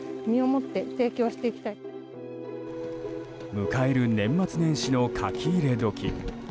迎える年末年始の書き入れ時。